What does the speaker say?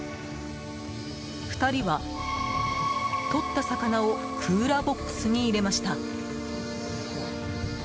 ２人はとった魚をクーラーボックスに入れました。